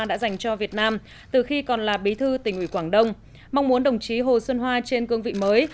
đã dành cho việt nam từ khi còn là bí thư tỉnh ủy quảng đông mong muốn đồng chí hồ xuân hoa trên cương vị mới